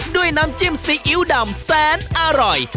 ด้วยน้ำจิ้มซีอิ๊วดำแสนอร่อย